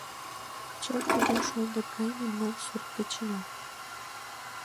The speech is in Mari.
Чылт кугу шондык гай мемнан сурт-печына.